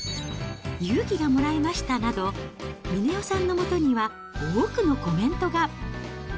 勇気がもらえましたなど、峰代さんのもとには、多くのコメントが。